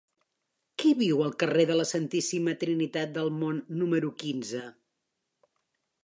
Qui viu al carrer de la Santíssima Trinitat del Mont número quinze?